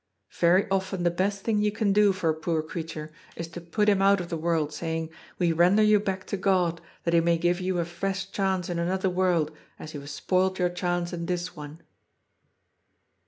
Very often the best thing you can do for a poor creature is to pat him out of the world, saying : We render you back to God, that he may give you a fresh chance in another world, as you have spoilt your chance in this one.'